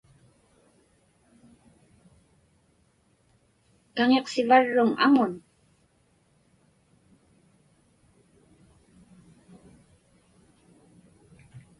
Kaŋiqsivarruŋ aŋun?